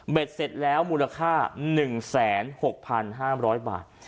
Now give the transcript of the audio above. เสร็จแล้วมูลค่า๑๖๕๐๐บาท